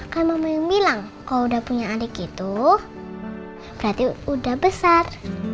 kan mama yang bilang kalau udah punya adik gitu berarti udah besar